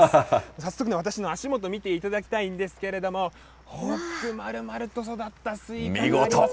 早速、私の足元、見ていただきたいんですけれども、丸々と育ったスイカがあります。